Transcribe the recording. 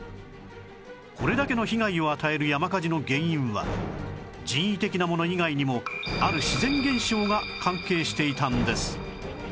これだけの被害を与える山火事の原因は人為的なもの以外にもある自然現象が関係していたんです